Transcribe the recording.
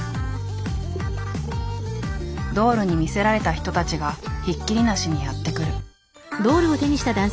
ドールに魅せられた人たちがひっきりなしにやって来る。